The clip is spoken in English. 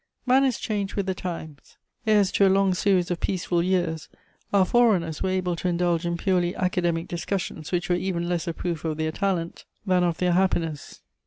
Manners change with the times: heirs to a long series of peaceful years, our forerunners were able to indulge in purely academic discussions which were even less a proof of their talent than of their happiness.